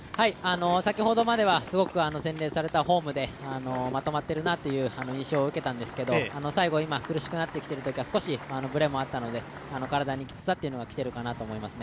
先ほどまではすごく洗練されたフォームでまとまっているなという印象を受けたんですけど、最後今、苦しくなってきているというか少しブレもあったので、体にきつさが来ていると思いますね。